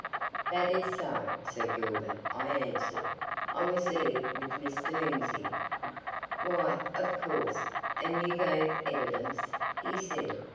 "That is so, Sir Gilbert," I answered. "I was there, with Mr. Lindsey." "Why, of course, and you gave evidence," he said.